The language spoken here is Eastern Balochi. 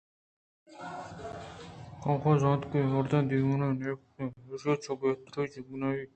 کاف ءَ زانت کہ اے مردم ءِ دیوان بے نپ اِنت ءُایشی ءَ چہ گہترہچ نہ بیت